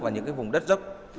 và những vùng đất dốc